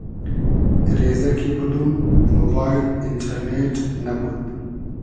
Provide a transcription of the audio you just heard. رېزۂ کی بودوم موبایل اینݖئرنېݖ نئبود